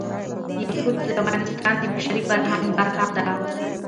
یاقوت د افغانستان د بشري فرهنګ برخه ده.